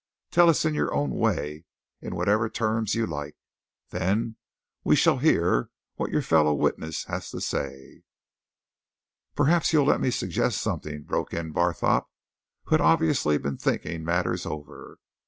Tell us in your own way, in whatever terms you like. Then we shall hear what your fellow witness has to say." "Perhaps you'll let me suggest something," broke in Barthorpe, who had obviously been thinking matters over.